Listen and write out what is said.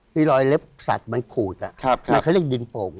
รอยเล็บสัตว์มันขูดมันเขาเรียกดินโป่ง